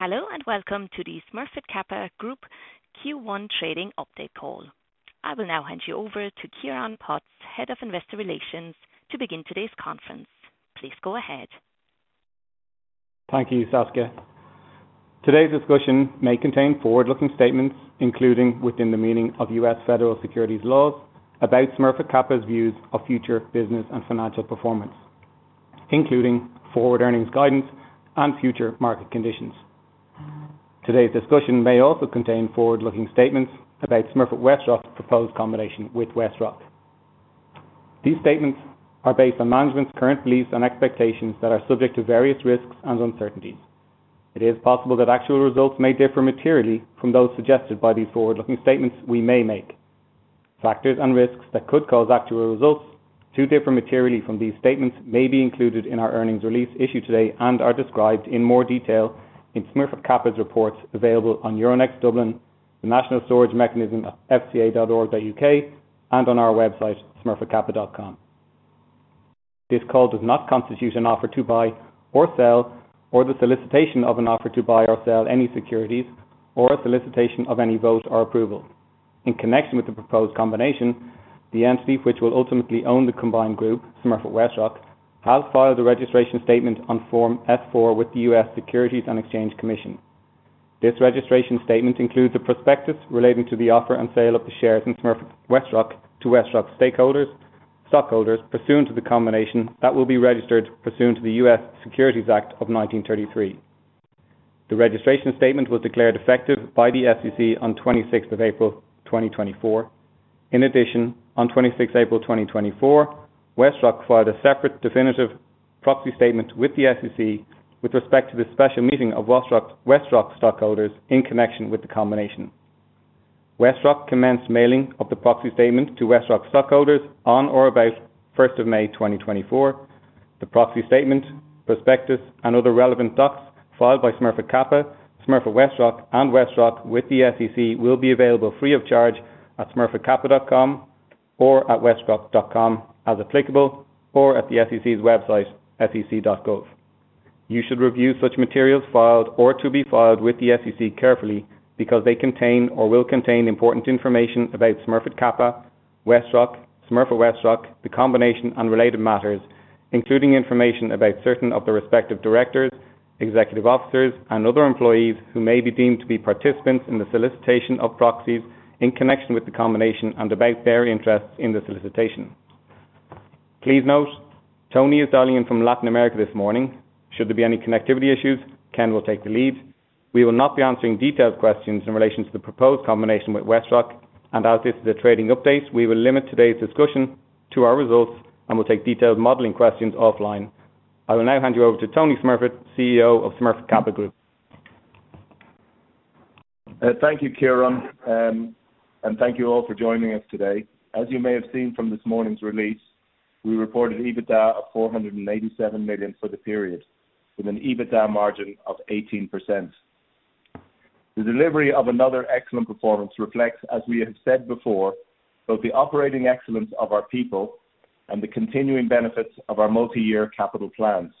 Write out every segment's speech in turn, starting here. Hello and welcome to the Smurfit Kappa Group Q1 Trading Update call. I will now hand you over to Ciarán Potts, Head of Investor Relations, to begin today's conference. Please go ahead. Thank you, Saskia. Today's discussion may contain forward-looking statements including within the meaning of U.S. Federal Securities Laws about Smurfit Kappa's views of future business and financial performance, including forward earnings guidance and future market conditions. Today's discussion may also contain forward-looking statements about Smurfit WestRock's proposed combination with WestRock. These statements are based on management's current beliefs and expectations that are subject to various risks and uncertainties. It is possible that actual results may differ materially from those suggested by these forward-looking statements we may make. Factors and risks that could cause actual results to differ materially from these statements may be included in our earnings release issued today and are described in more detail in Smurfit Kappa's reports available on Euronext Dublin, the National Storage Mechanism at fca.org.uk, and on our website smurfitkappa.com. This call does not constitute an offer to buy or sell, or the solicitation of an offer to buy or sell any securities, or a solicitation of any vote or approval. In connection with the proposed combination, the entity which will ultimately own the combined group, Smurfit WestRock, has filed a registration statement on Form S-4 with the U.S. Securities and Exchange Commission. This registration statement includes a prospectus relating to the offer and sale of the shares in Smurfit WestRockto WestRock stakeholders, stockholders pursuant to the combination that will be registered pursuant to the U.S. Securities Act of 1933. The registration statement was declared effective by the SEC on 26 April 2024. In addition, on 26 April 2024, WestRock filed a separate definitive proxy statement with the SEC with respect to the special meeting of WestRock stockholders in connection with the combination. WestRock commenced mailing of the Proxy Statement to WestRock stockholders on or about 1 May 2024. The Proxy Statement, prospectus, and other relevant docs filed by Smurfit Kappa, Smurfit WestRock, and WestRock with the SEC will be available free of charge at smurfitkappa.com or at westrock.com as applicable, or at the SEC's website, sec.gov. You should review such materials filed or to be filed with the SEC carefully because they contain or will contain important information about Smurfit Kappa, WestRock, Smurfit WestRock, the combination, and related matters, including information about certain of the respective directors, executive officers, and other employees who may be deemed to be participants in the solicitation of proxies in connection with the combination and about their interests in the solicitation. Please note, Tony is dialing in from Latin America this morning. Should there be any connectivity issues, Ken will take the lead. We will not be answering detailed questions in relation to the proposed combination with WestRock, and as this is a trading update, we will limit today's discussion to our results and will take detailed modelling questions offline. I will now hand you over to Tony Smurfit, CEO of Smurfit Kappa Group. Thank you, Ciarán. Thank you all for joining us today. As you may have seen from this morning's release, we reported EBITDA of 487,000,000 for the period, with an EBITDA margin of 18%. The delivery of another excellent performance reflects, as we have said before, both the operating excellence of our people and the continuing benefits of our multi-year capital plans.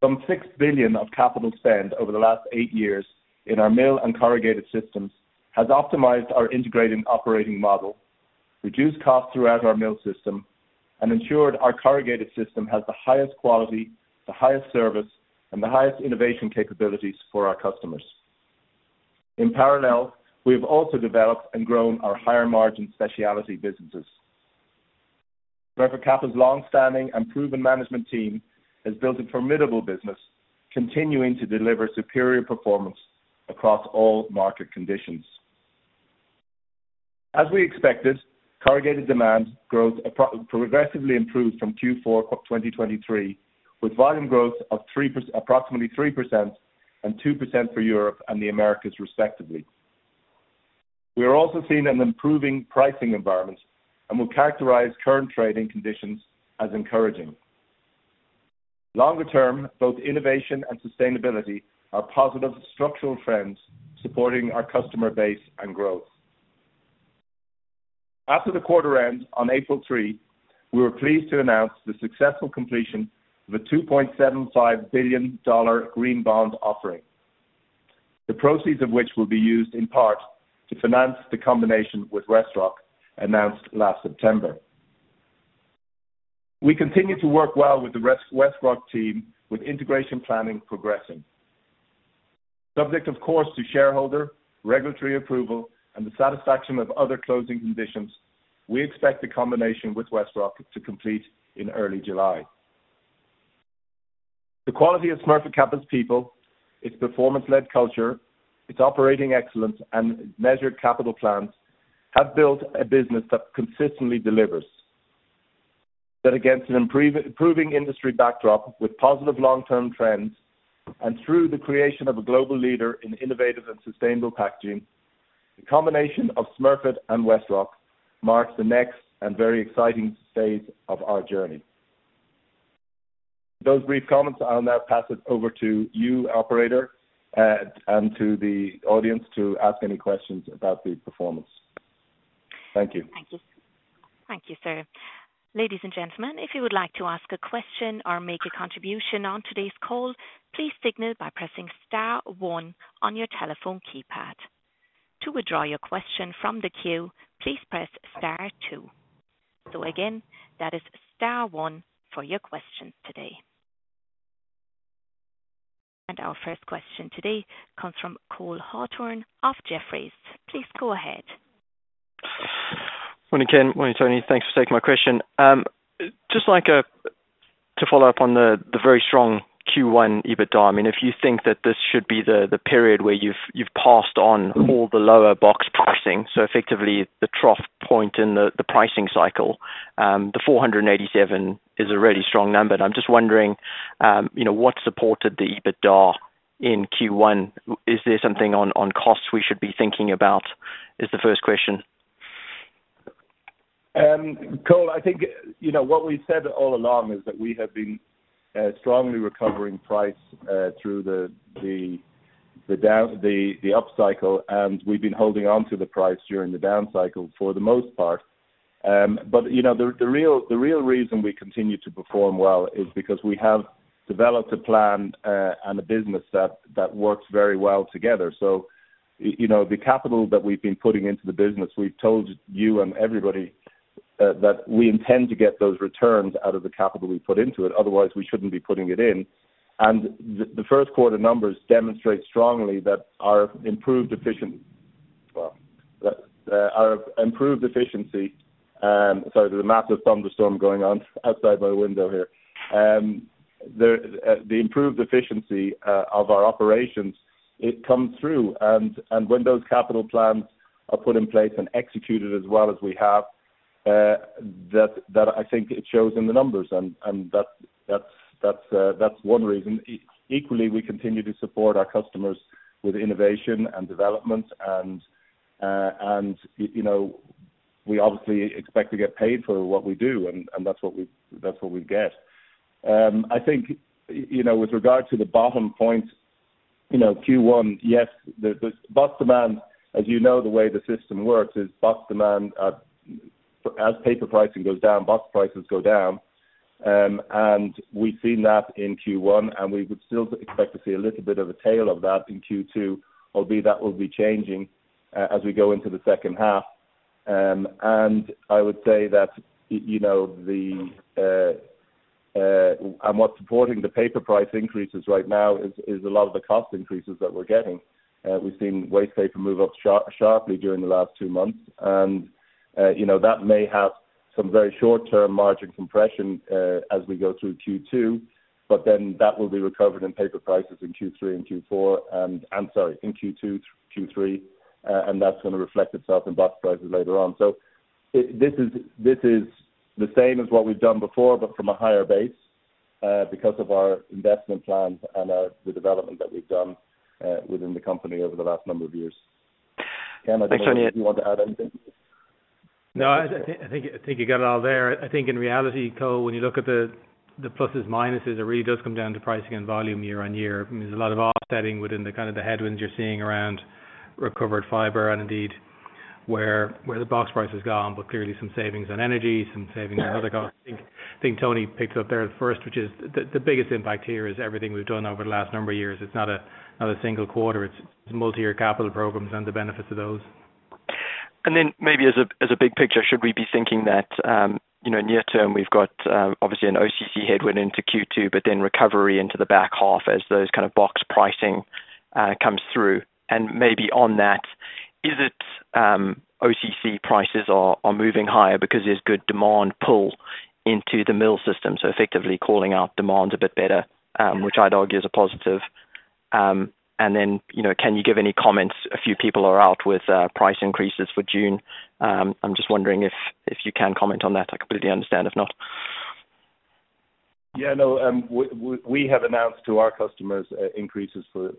Some 6,000,000,000 of capital spend over the last 8 years in our mill and corrugated systems has optimized our integrated operating model, reduced costs throughout our mill system, and ensured our corrugated system has the highest quality, the highest service, and the highest innovation capabilities for our customers. In parallel, we have also developed and grown our higher-margin specialty businesses. Smurfit Kappa's longstanding and proven management team has built a formidable business, continuing to deliver superior performance across all market conditions. As we expected, corrugated demand growth progressively improved from Q4 2023, with volume growth of approximately 3% and 2% for Europe and the Americas, respectively. We are also seeing an improving pricing environment and will characterize current trading conditions as encouraging. Longer term, both innovation and sustainability are positive structural trends supporting our customer base and growth. After the quarter end on April 3, we were pleased to announce the successful completion of a $2,750,000,000 green bond offering, the proceeds of which will be used in part to finance the combination with WestRock announced last September. We continue to work well with the WestRock team, with integration planning progressing. Subject, of course, to shareholder regulatory approval and the satisfaction of other closing conditions, we expect the combination with WestRock to complete in early July. The quality of Smurfit Kappa's people, its performance-led culture, its operating excellence, and measured capital plans have built a business that consistently delivers. Yet against an improving industry backdrop with positive long-term trends and through the creation of a global leader in innovative and sustainable packaging, the combination of Smurfit and WestRock marks the next and very exciting phase of our journey. With those brief comments, I'll now pass it over to you, operator, and to the audience to ask any questions about the performance. Thank you. Thank you. Thank you, sir. Ladies and gentlemen, if you would like to ask a question or make a contribution on today's call, please signal by pressing Star 1 on your telephone keypad. To withdraw your question from the queue, please press Star 2. So again, that is Star 1 for your question today. And our first question today comes from Cole Hathorn of Jefferies. Please go ahead. Morning, Ken. Morning, Tony. Thanks for taking my question. Just like, to follow up on the very strong Q1 EBITDA, I mean, if you think that this should be the period where you've passed on all the lower box pricing, so effectively the trough point in the pricing cycle, the 487,000,000 is a really strong number. And I'm just wondering, you know, what supported the EBITDA in Q1? Is there something on costs we should be thinking about? That's the first question. Cole, I think, you know, what we've said all along is that we have been strongly recovering price through the upcycle, and we've been holding onto the price during the downcycle for the most part. But you know, the real reason we continue to perform well is because we have developed a plan and a business that works very well together. So you know, the capital that we've been putting into the business, we've told you and everybody that we intend to get those returns out of the capital we put into it. Otherwise, we shouldn't be putting it in. And the first quarter numbers demonstrate strongly that our improved efficiency and, sorry, there's a massive thunderstorm going on outside my window here. There, the improved efficiency of our operations it comes through. And when those capital plans are put in place and executed as well as we have, that I think it shows in the numbers. And that's one reason. Equally, we continue to support our customers with innovation and development and, you know, we obviously expect to get paid for what we do, and that's what we get. I think, you know, with regard to the bottom point, you know, Q1, yes, the box demand, as you know, the way the system works is box demand falls as paper pricing goes down, box prices go down. And we've seen that in Q1, and we would still expect to see a little bit of a tail of that in Q2, albeit that will be changing as we go into the second half. And I would say that, you know, what's supporting the paper price increases right now is a lot of the cost increases that we're getting. We've seen waste paper move up sharply during the last two months. And, you know, that may have some very short-term margin compression, as we go through Q2, but then that will be recovered in paper prices in Q3 and Q4 and, and sorry, in Q2, Q3, and that's gonna reflect itself in box prices later on. So this is the same as what we've done before, but from a higher base, because of our investment plans and our development that we've done, within the company over the last number of years. Ken, I don't know if you want to add anything. No, I think you got it all there. I think in reality, Cole, when you look at the pluses, minuses, it really does come down to pricing and volume year-on-year. I mean, there's a lot of offsetting within the kind of the headwinds you're seeing around recovered fiber and indeed where the box price has gone, but clearly some savings on energy, some savings on other costs. I think Tony picked it up there first, which is the biggest impact here is everything we've done over the last number of years. It's not a single quarter. It's multi-year capital programs and the benefits of those. And then maybe as a big picture, should we be thinking that, you know, near term, we've got, obviously an OCC headwind into Q2, but then recovery into the back half as those kind of box pricing comes through? And maybe on that, is it OCC prices are moving higher because there's good demand pull into the mill system, so effectively calling out demand a bit better, which I'd argue is a positive? And then, you know, can you give any comments? A few people are out with price increases for June. I'm just wondering if you can comment on that. I completely understand if not. Yeah, no, we have announced to our customers increases for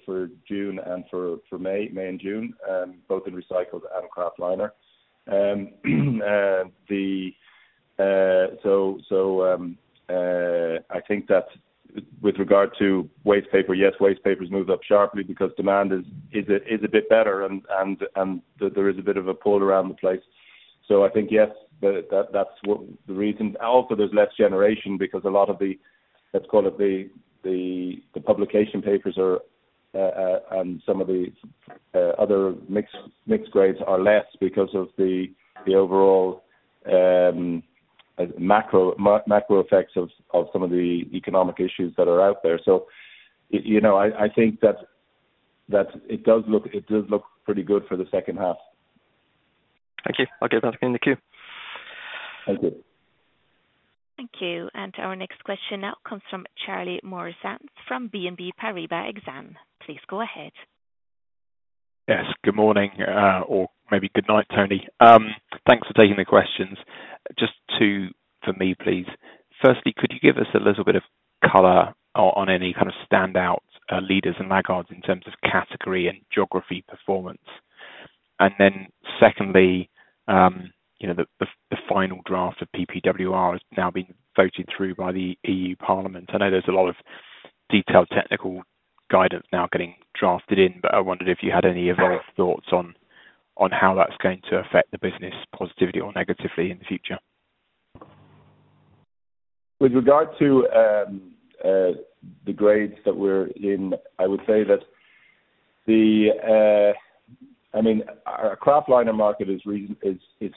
May and June, both in recycled and Kraftliner. So, I think that with regard to waste paper, yes, waste paper's moved up sharply because demand is a bit better and there is a bit of a pull around the place. So I think, yes, that's what the reason. Also, there's less generation because a lot of the let's call it the publication papers are, and some of the other mix grades are less because of the overall macro effects of some of the economic issues that are out there. So, you know, I think that it does look pretty good for the second half. Thank you. I'll give that again in the queue. Thank you. Thank you. Our next question now comes from Charlie Muir-Sands from Exane BNP Paribas. Please go ahead. Yes, good morning, or maybe good night, Tony. Thanks for taking the questions. Just two for me, please. Firstly, could you give us a little bit of color on any kind of standout leaders and laggards in terms of category and geography performance? And then secondly, you know, the final draft of PPWR has now been voted through by the EU Parliament. I know there's a lot of detailed technical guidance now getting drafted in, but I wondered if you had any evolved thoughts on how that's going to affect the business positively or negatively in the future. With regard to the grades that we're in, I would say that the, I mean, our Kraftliner market is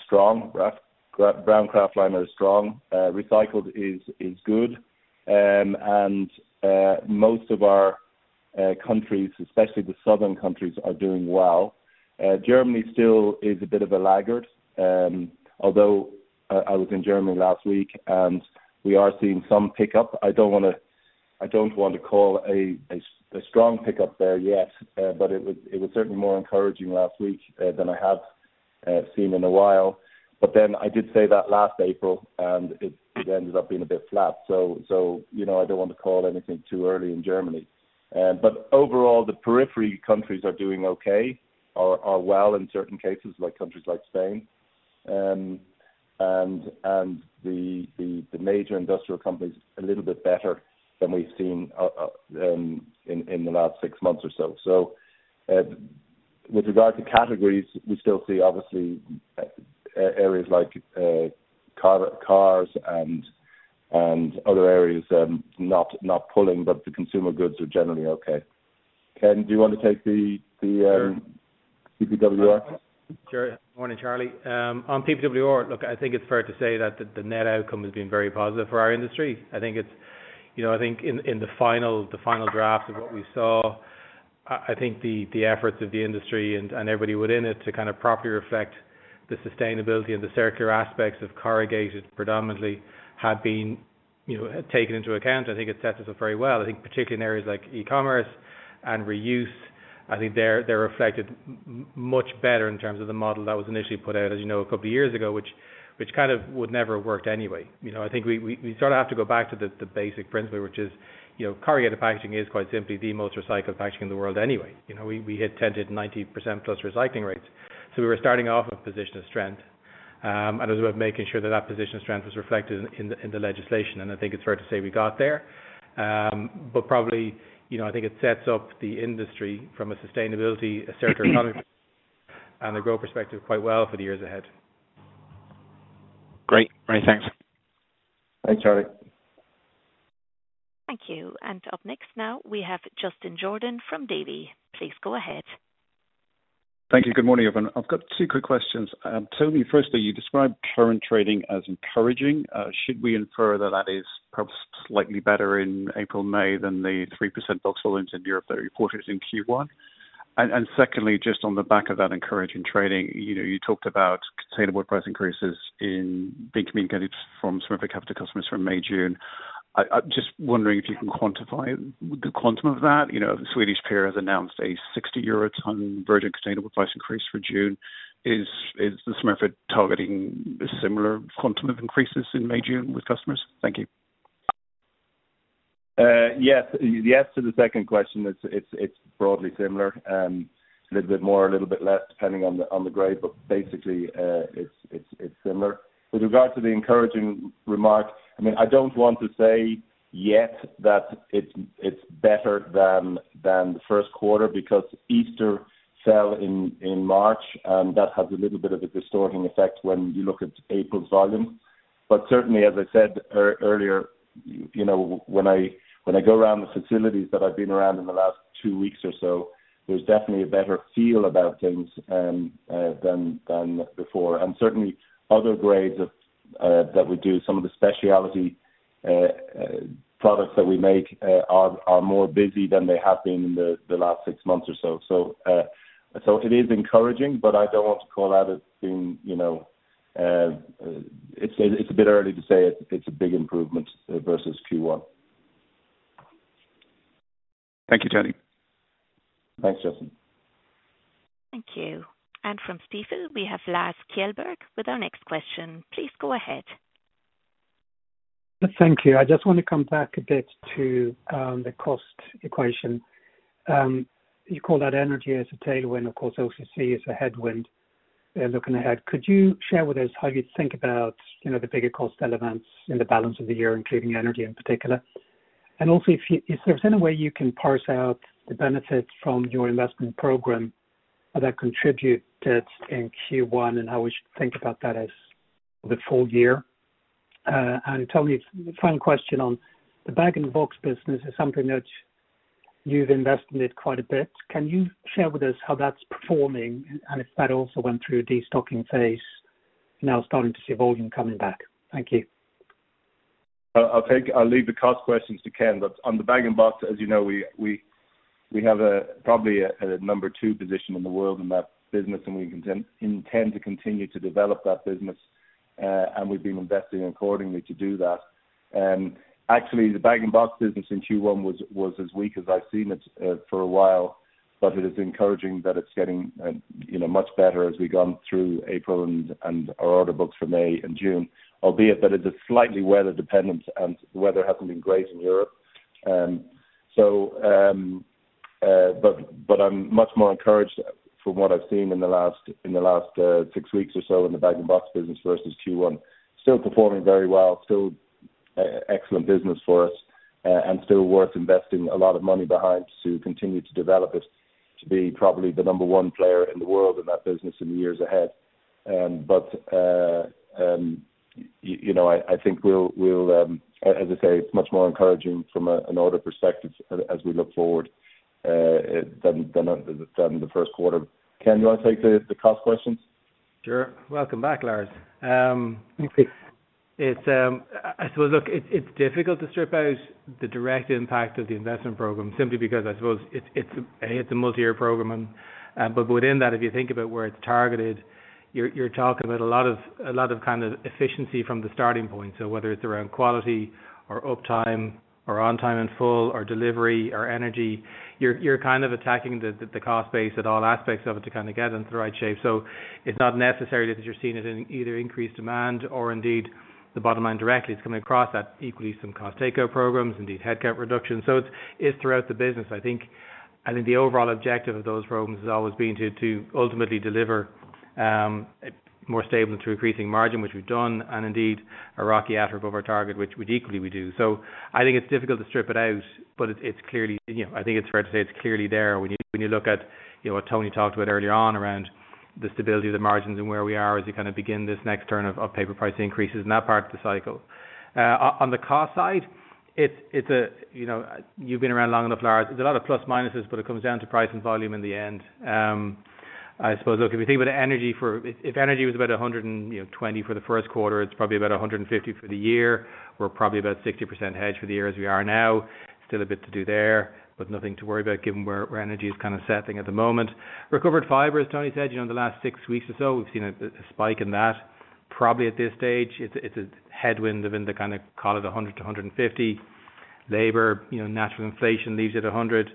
strong. Kraft brown Kraftliner is strong. Recycled is good. And most of our countries, especially the southern countries, are doing well. Germany still is a bit of a laggard, although I was in Germany last week, and we are seeing some pickup. I don't want to call a strong pickup there yet, but it was certainly more encouraging last week than I have seen in a while. But then I did say that last April, and it ended up being a bit flat. So you know, I don't want to call anything too early in Germany. But overall, the periphery countries are doing okay or well in certain cases, like countries like Spain. The major industrial companies a little bit better than we've seen in the last six months or so. So, with regard to categories, we still see, obviously, areas like car parts and other areas not pulling, but the consumer goods are generally okay. Ken, do you wanna take the PPWR? Sure. Sure. Morning, Charlie. On PPWR, look, I think it's fair to say that the net outcome has been very positive for our industry. I think it's, you know, I think in the final drafts of what we saw, I think the efforts of the industry and everybody within it to kind of properly reflect the sustainability and the circular aspects of corrugated predominantly had been, you know, taken into account. I think it's set us up very well. I think particularly in areas like e-commerce and reuse, I think they're reflected much better in terms of the model that was initially put out, as you know, a couple of years ago, which kind of would never have worked anyway. You know, I think we sort of have to go back to the basic principle, which is, you know, corrugated packaging is quite simply the most recycled packaging in the world anyway. You know, we intended 90%-plus recycling rates. So we were starting off in a position of strength, and it was about making sure that that position of strength was reflected in the legislation. And I think it's fair to say we got there. But probably, you know, I think it sets up the industry from a sustainability, a circular economy perspective, and a growth perspective quite well for the years ahead. Great. Right. Thanks. Thanks, Charlie. Thank you. And up next now, we have Justin Jordan from Davy. Please go ahead. Thank you. Good morning, gentlemen. I've got two quick questions. Tony, firstly, you described current trading as encouraging. Should we infer that that is perhaps slightly better in April, May than the 3% box volumes in Europe that are reported in Q1? And secondly, just on the back of that encouraging trading, you know, you talked about sustainable price increases being communicated from Smurfit Kappa customers from May, June. I'm just wondering if you can quantify the quantum of that. You know, SCA has announced a 60 euro/tonne virgin containerboard price increase for June. Is the Smurfit targeting similar quantum of increases in May, June with customers? Thank you. Yes. Yes to the second question. It's broadly similar. A little bit more, a little bit less depending on the grade, but basically, it's similar. With regard to the encouraging remark, I mean, I don't want to say yet that it's better than the first quarter because Easter fell in March, and that has a little bit of a distorting effect when you look at April's volumes. But certainly, as I said earlier, you know, when I go around the facilities that I've been around in the last two weeks or so, there's definitely a better feel about things than before. And certainly, other grades that we do, some of the specialty products that we make, are more busy than they have been in the last six months or so. So, it is encouraging, but I don't want to call out it being, you know, it's a bit early to say it's a big improvement, versus Q1. Thank you, Tony. Thanks, Justin. Thank you. From Stifel, we have Lars Kjellberg with our next question. Please go ahead. Thank you. I just wanna come back a bit to the cost equation. You call that energy as a tailwind. Of course, OCC is a headwind, looking ahead. Could you share with us how you think about, you know, the bigger cost elements in the balance of the year, including energy in particular? And also if you if there's any way you can parse out the benefits from your investment program that contribute to it in Q1 and how we should think about that as the full year. And Tony, final question on the Bag-in-Box business is something that you've invested in quite a bit. Can you share with us how that's performing and if that also went through a destocking phase and now starting to see volume coming back? Thank you. I'll leave the cost questions to Ken, but on the bag-in-the-box, as you know, we have probably a number two position in the world in that business, and we intend to continue to develop that business, and we've been investing accordingly to do that. Actually, the bag-in-the-box business in Q1 was as weak as I've seen it for a while, but it is encouraging that it's getting, you know, much better as we've gone through April and our order books for May and June, albeit it's slightly weather-dependent and the weather hasn't been great in Europe. But I'm much more encouraged from what I've seen in the last six weeks or so in the bag-in-the-box business versus Q1. Still performing very well, still, excellent business for us, and still worth investing a lot of money behind to continue to develop it to be probably the number one player in the world in that business in the years ahead. But, you know, I think we'll, as I say, it's much more encouraging from an order perspective as we look forward, than the first quarter. Ken, do you wanna take the cost questions? Sure. Welcome back, Lars. It's, I suppose, look, it's difficult to strip out the direct impact of the investment program simply because I suppose it's a multi-year program. But within that, if you think about where it's targeted, you're talking about a lot of kind of efficiency from the starting point. So whether it's around quality or uptime or on-time and full or delivery or energy, you're kind of attacking the cost base at all aspects of it to kind of get into the right shape. So it's not necessarily that you're seeing it in either increased demand or indeed the bottom line directly. It's coming across that equally some cost takeout programs, indeed headcount reductions. So it's throughout the business. I think the overall objective of those programs has always been to ultimately deliver more stable and through increasing margin, which we've done, and indeed a ROIC at or above our target, which equally we do. So I think it's difficult to strip it out, but it's clearly you know, I think it's fair to say it's clearly there when you look at, you know, what Tony talked about earlier on around the stability of the margins and where we are as you kind of begin this next turn of paper price increases in that part of the cycle. On the cost side, it's a you know, you've been around long enough, Lars. There's a lot of plus-minuses, but it comes down to price and volume in the end. I suppose, look, if you think about energy, if energy was about 120 for the first quarter, it's probably about 150 for the year. We're probably about 60% hedged for the year as we are now. Still a bit to do there, but nothing to worry about given where energy is kind of setting at the moment. Recovered fiber, as Tony said, you know, in the last six weeks or so, we've seen a spike in that. Probably at this stage, it's a headwind of, kind of, call it 100-150. Labour, you know, natural inflation leaves it 100.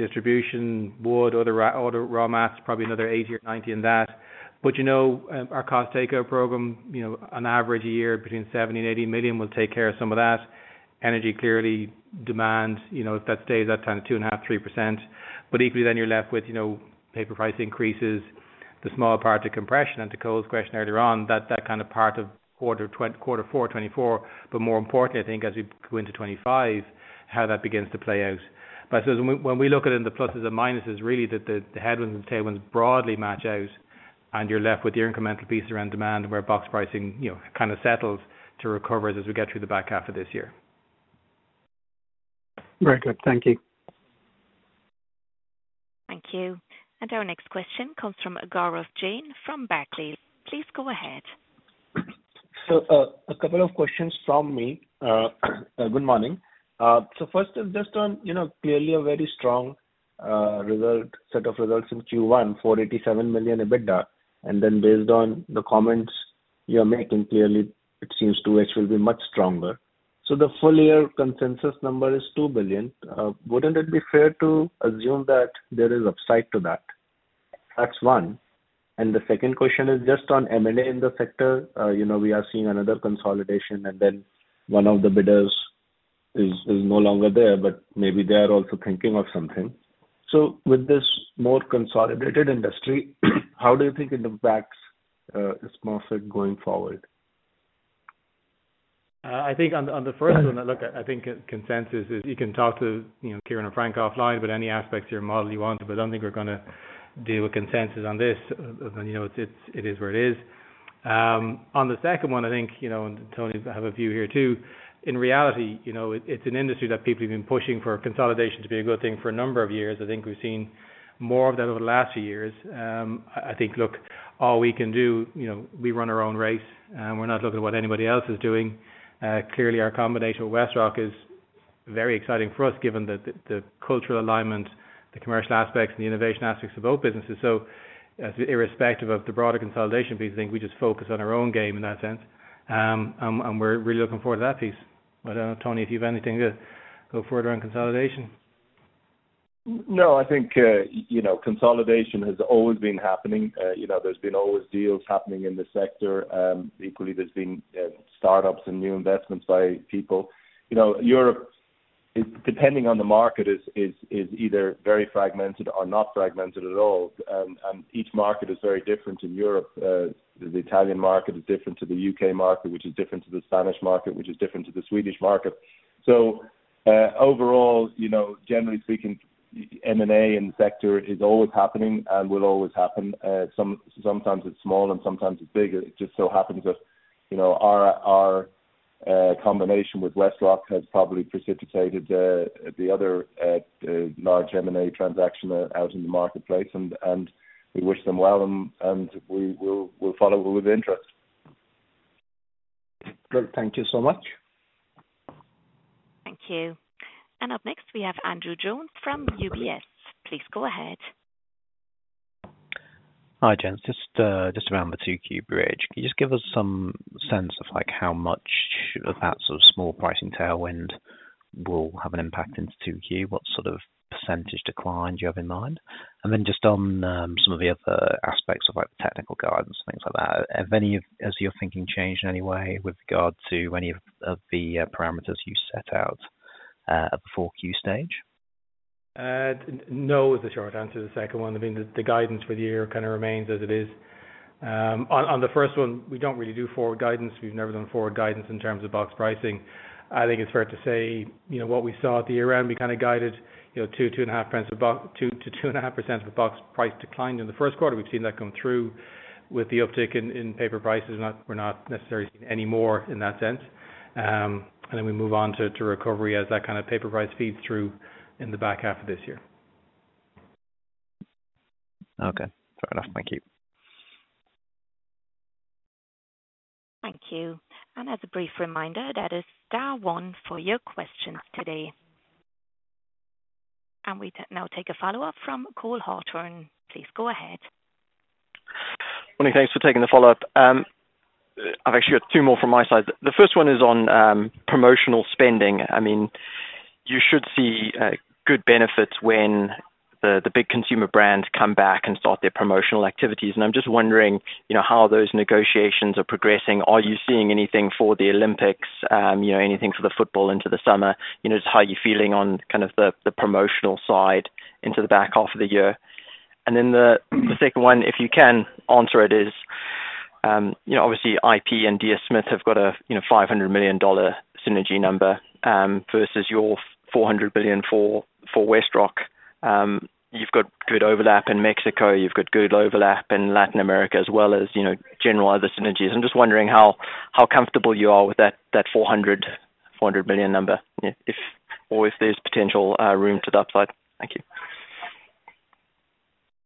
Distribution, wood, other raw mats, probably another 80 or 90 in that. But you know, our cost takeout program, you know, on average a year between 70,000,000-80,000,000 will take care of some of that. Any clear demand, you know, if that stays at 2.5%-3%. But equally then, you're left with, you know, paper price increases, the spread, the compression. And to Cole's question earlier on, that, that kind of played out in Q4 2020, Q4 2024, but more importantly, I think as we go into 2025, how that begins to play out. But I suppose when, when we look at it in the pluses and minuses, really, that the, the headwinds and the tailwinds broadly wash out, and you're left with the incremental piece around demand and where box pricing, you know, kind of settles and recovers as we get through the back half of this year. Very good. Thank you. Thank you. And our next question comes from Gaurav Jain from Barclays. Please go ahead. A couple of questions from me. Good morning. First is just on, you know, clearly a very strong set of results in Q1, 487,000,000 EBITDA. And then based on the comments you're making, clearly, it seems 2H will be much stronger. The full-year consensus number is 2,000,000,000. Wouldn't it be fair to assume that there is upside to that? That's one. And the second question is just on M&A in the sector. You know, we are seeing another consolidation, and then one of the bidders is no longer there, but maybe they are also thinking of something. With this more consolidated industry, how do you think it impacts Smurfit going forward? I think on the first one, look, I think consensus is you can talk to, you know, Ciarán and Frank offline about any aspects of your model you want to, but I don't think we're gonna do a consensus on this. You know, it's. It is where it is. On the second one, I think, you know, and Tony, I have a view here too. In reality, you know, it's an industry that people have been pushing for consolidation to be a good thing for a number of years. I think, look, all we can do, you know, we run our own race, and we're not looking at what anybody else is doing. Clearly, our combination with WestRock is very exciting for us given the cultural alignment, the commercial aspects, and the innovation aspects of both businesses. So as irrespective of the broader consolidation piece, I think we just focus on our own game in that sense. And we're really looking forward to that piece. But, Tony, if you have anything to go forward around consolidation. No, I think, you know, consolidation has always been happening. You know, there's been always deals happening in the sector. Equally, there's been startups and new investments by people. You know, Europe, it depending on the market, is either very fragmented or not fragmented at all. Each market is very different in Europe. The Italian market is different to the U.K. market, which is different to the Spanish market, which is different to the Swedish market. So, overall, you know, generally speaking, M&A in the sector is always happening and will always happen. Sometimes it's small and sometimes it's big. It just so happens that, you know, our combination with WestRock has probably precipitated the other large M&A transaction out in the marketplace. And we wish them well, and we will follow with interest. Great. Thank you so much. Thank you. Up next, we have Andrew Jones from UBS. Please go ahead. Hi, Jens. Just around the 2Q bridge, can you just give us some sense of, like, how much of that sort of small pricing tailwind will have an impact into 2Q? What sort of percentage decline do you have in mind? And then just on some of the other aspects of, like, the technical guidance and things like that, has any of your thinking changed in any way with regard to any of the parameters you set out at the 4Q stage? No, is the short answer to the second one. I mean, the guidance for the year kind of remains as it is. On the first one, we don't really do forward guidance. We've never done forward guidance in terms of box pricing. I think it's fair to say, you know, what we saw at the year-end, we kind of guided, you know, 2%-2.5% of the box price declined in the first quarter. We've seen that come through with the uptick in paper prices. We're not necessarily seeing any more in that sense. And then we move on to recovery as that kind of paper price feeds through in the back half of this year. Okay. Fair enough. Thank you. Thank you. And as a brief reminder, that is star one for your questions today. And we now take a follow-up from Cole Hathorn. Please go ahead. Morning. Thanks for taking the follow-up. I've actually got two more from my side. The first one is on promotional spending. I mean you should see good benefits when the big consumer brands come back and start their promotional activities. And I'm just wondering, you know, how those negotiations are progressing. Are you seeing anything for the Olympics, you know, anything for the football into the summer? You know, just how are you feeling on kind of the promotional side into the back half of the year? And then the second one, if you can answer it, is, you know, obviously, IP and DS Smith have got a $500,000,000 synergy number, versus your $400,000,000,000 for WestRock. You've got good overlap in Mexico. You've got good overlap in Latin America as well as, you know, general other synergies. I'm just wondering how comfortable you are with that 400,000,000 number, you know, if there's potential room to the upside. Thank you.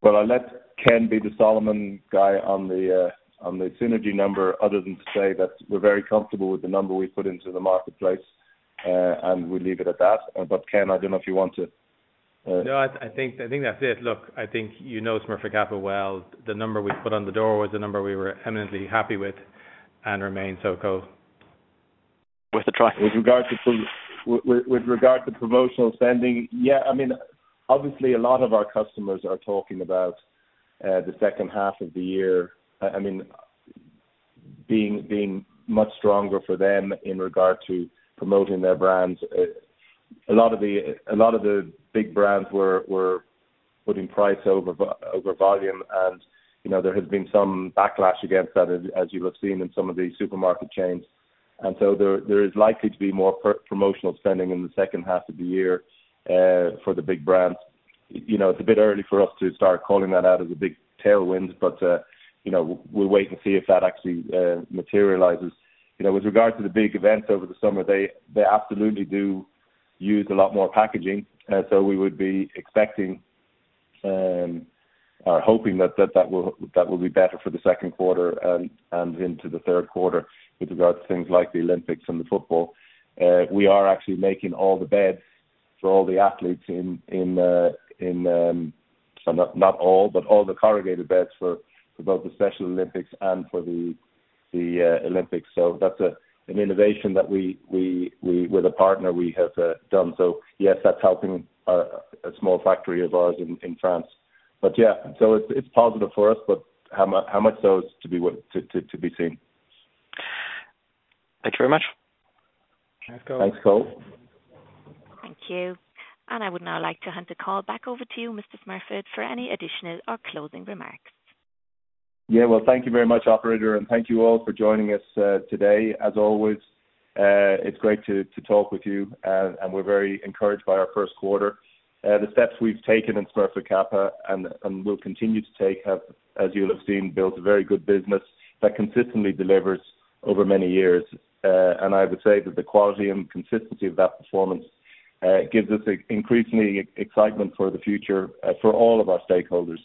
Well, I'll let Ken be the Solomon guy on the, on the synergy number other than to say that we're very comfortable with the number we've put into the marketplace, and we leave it at that. But Ken, I don't know if you want to, No, I think that's it. Look, I think you know Smurfit Kappa well. The number we put on the door was a number we were eminently happy with and remains so, Cole. With the try. With regard to promotional spending, yeah. I mean, obviously, a lot of our customers are talking about the second half of the year. I mean, being much stronger for them in regard to promoting their brands. A lot of the big brands were putting price over volume, and, you know, there has been some backlash against that as you've seen in some of the supermarket chains. And so there is likely to be more promotional spending in the second half of the year, for the big brands. You know, it's a bit early for us to start calling that out as a big tailwind, but, you know, we'll wait and see if that actually materializes. You know, with regard to the big events over the summer, they absolutely do use a lot more packaging. So we would be expecting, or hoping that that will be better for the second quarter and into the third quarter with regard to things like the Olympics and the football. We are actually making all the beds for all the athletes, so not all, but all the corrugated beds for both the Special Olympics and the Olympics. So that's an innovation that we with a partner have done. So yes, that's helping our a small factory of ours in France. But yeah, so it's positive for us, but how much to be seen. Thank you very much. Thanks, Cole. Thanks, Cole. Thank you. I would now like to hand the call back over to you, Mr. Smurfit, for any additional or closing remarks. Yeah. Well, thank you very much, operator, and thank you all for joining us today. As always, it's great to talk with you, and we're very encouraged by our first quarter. The steps we've taken in Smurfit Kappa and we'll continue to take have, as you'll have seen, built a very good business that consistently delivers over many years. I would say that the quality and consistency of that performance gives us an increasingly excitement for the future, for all of our stakeholders.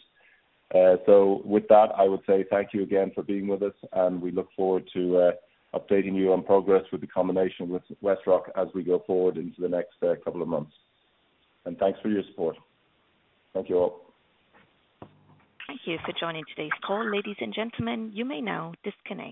With that, I would say thank you again for being with us, and we look forward to updating you on progress with the combination with WestRock as we go forward into the next couple of months. Thanks for your support. Thank you all. Thank you for joining today's call. Ladies and gentlemen, you may now disconnect.